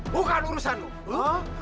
bukan urusan lu